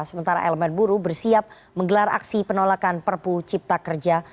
sementara elemen buruh bersiap menggelar aksi penolakan perpu cipta kerja